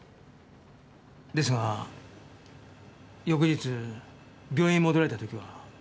ですが翌日病院に戻られた時は。